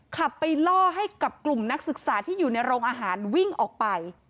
ขับไปล่อให้กับกลุ่มนักศึกษาที่อยู่ในโรงอาหารวิ่งออกไป